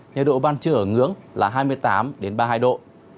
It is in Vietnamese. nhiệt độ ban trưa ở ngưỡng là hai mươi tám ba mươi hai độ